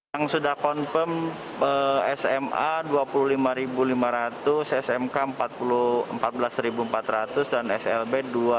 yang sudah confirm sma dua puluh lima lima ratus smk empat belas empat ratus dan slb dua ratus